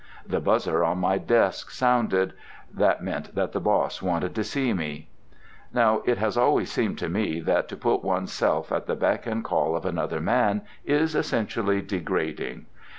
The buzzer on my desk sounded. That meant that the boss wanted to see me. Now, it has always seemed to me that to put one's self at the beck and call of another man is essentially degrading.